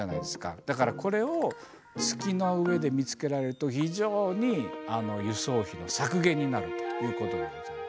だからこれを月の上で見つけられると非常に輸送費の削減になるということでございます。